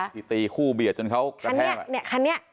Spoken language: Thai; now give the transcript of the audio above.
แบบนี้คนอีก๒คัน